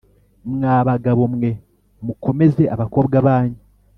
mwa bagabo mwe mukomeze abakobwa banyu